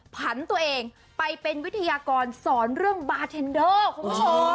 ผันตัวเองไปเป็นวิทยากรสอนเรื่องบาร์เทนเดอร์คุณผู้ชม